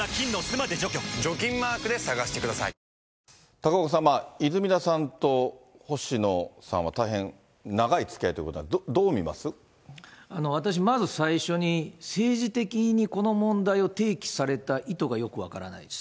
高岡さん、泉田さんと星野さんは、大変長いつきあいということで、私、まず最初に、政治的にこの問題を提起された意図がよく分からないです。